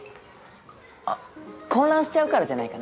あっ混乱しちゃうからじゃないかな。